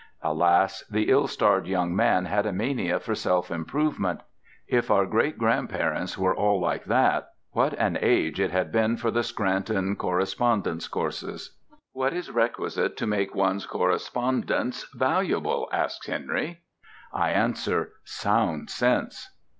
Alas, the ill starred young man had a mania for self improvement. If our great grandparents were all like that what an age it had been for the Scranton correspondence courses! "What is requisite to make one's correspondence valuable?" asks Henry. "I answer, sound sense."